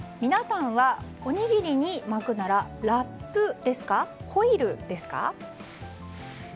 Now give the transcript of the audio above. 皆さんはおにぎりに巻くならラップですかホイルですか？